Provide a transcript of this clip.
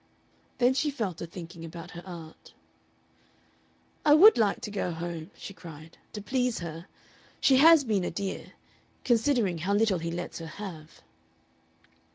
Then she fell to thinking about her aunt. "I would like to go home," she cried, "to please her. She has been a dear. Considering how little he lets her have."